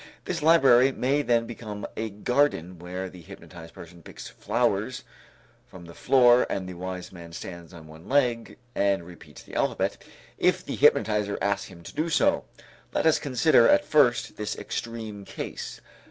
This library may then become a garden where the hypnotized person picks flowers from the floor, and the wise man stands on one leg and repeats the alphabet, if the hypnotizer asks him to do so. Let us consider at first this extreme case.